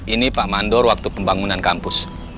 ini pak mandor waktu pembangunan kampus